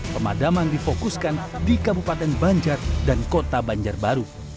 pemadaman difokuskan di kabupaten banjar dan kota banjar baru